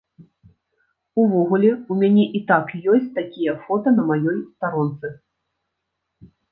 Увогуле, у мяне і так ёсць такія фота на маёй старонцы.